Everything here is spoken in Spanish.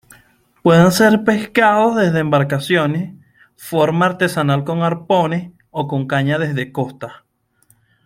Pueden ser pescados desde embarcaciones, forma artesanal con arpones, o con caña desde costa.